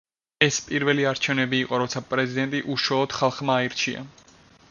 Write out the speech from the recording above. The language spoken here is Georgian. ეს პირველი არჩევნები იყო, როცა პრეზიდენტი უშუალოდ ხალხმა აირჩია.